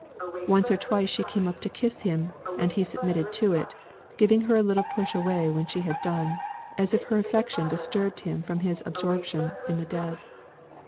Once or twice she came up to kiss him; and he submitted to it, giving her a little push away when she had done, as if her affection disturbed him from his absorption in the dead.